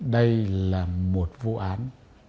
đây là một vụ án